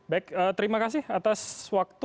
baik terima kasih atas waktu